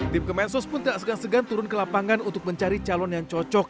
tim kemensos pun tak segan segan turun ke lapangan untuk mencari calon yang cocok